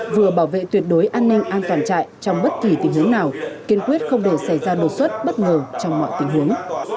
vừa bảo vệ tuyệt đối an ninh an toàn chạy trong bất kỳ tình huống nào kiên quyết không để xảy ra đột xuất bất ngờ trong mọi tình huống